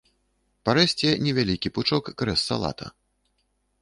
Парэжце невялікі пучок крэс-салата.